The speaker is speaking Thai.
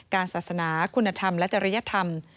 ศาสนาคุณธรรมและจริยธรรม